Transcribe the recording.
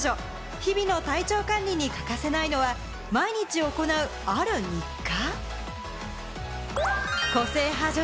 日々の体調管理に欠かせないのは、毎日行う、ある日課？